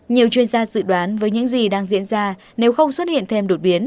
nhiều chuyên gia dự đoán với những gì đang diễn ra nếu không xuất hiện thêm đột biến